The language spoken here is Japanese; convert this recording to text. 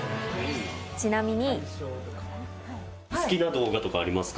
ちなみに。